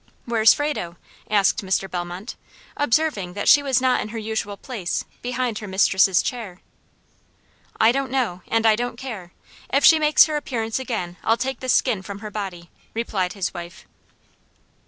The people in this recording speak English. "Where's Frado?" asked Mr. Bellmont, observing she was not in her usual place, behind her mistress' chair. "I don't know, and I don't care. If she makes her appearance again, I'll take the skin from her body," replied his wife.